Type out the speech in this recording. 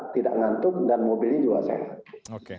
tidak ngantuk dan mobilnya juga sehat